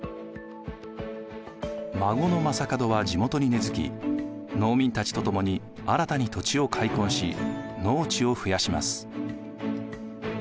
孫の将門は地元に根づき農民たちと共に新たに土地を開墾し農地を増やします。